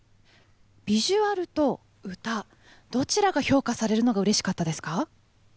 ビジュアルと歌どちらが評価されるのがうれしかったですか？